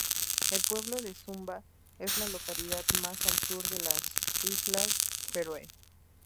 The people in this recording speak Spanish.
El pueblo de Sumba es la localidad más al sur de las Islas Feroe.